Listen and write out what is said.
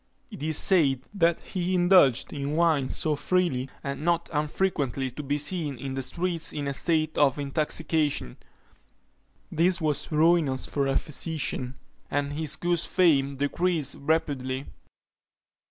It is said that he indulged in wine so freely, as not unfrequently to be seen in the streets in a state of intoxication. This was ruinous for a physician, and his good fame decreased rapidly.